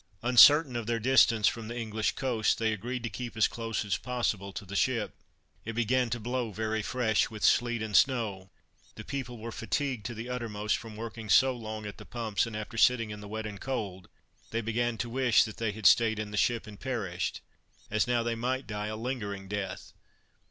Uncertain of their distance from the English coast, they agreed to keep as close as possible to the ship. It began to blow very fresh, with sleet and snow; the people were fatigued to the uttermost, from working so long at the pumps, and after sitting in the wet and cold, they began to wish that they had staid in the ship and perished, as now they might die a lingering death.